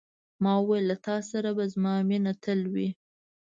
ما وویل، له تا سره به زما مینه تل وي.